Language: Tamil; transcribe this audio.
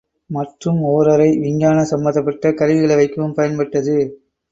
மற்றும் ஓர் அறை விஞ்ஞான சம்பந்தப்பட்ட கருவிகளை வைக்கவும் பயன்பட்டது.